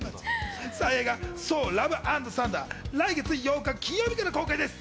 映画『ソー：ラブ＆サンダー』は来月８日金曜日から公開です。